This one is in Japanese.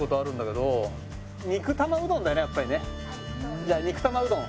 じゃあ肉玉うどん。